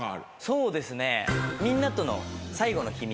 そうですね。